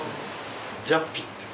ジャッピーっていうの。